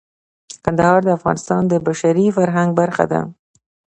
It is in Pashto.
کندهار د افغانستان د بشري فرهنګ برخه ده.